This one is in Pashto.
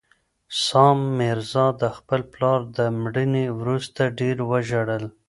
سام میرزا د خپل پلار له مړینې وروسته ډېر وژړل.